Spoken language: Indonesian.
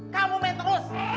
kamu main terus